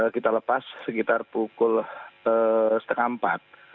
kita lepas sekitar pukul setengah empat